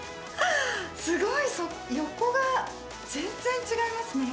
スゴい横が全然違いますね